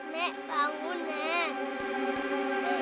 nek bangun nek